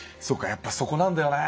やっぱそこなんだよね。